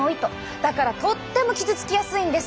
だからとっても傷つきやすいんです。